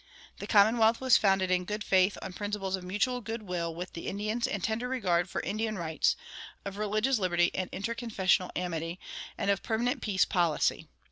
The commonwealth was founded in good faith on principles of mutual good will with the Indians and tender regard for Indian rights, of religious liberty and interconfessional amity, and of a permanent peace policy.